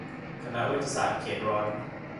คณะเวชศาสตร์เขตร้อน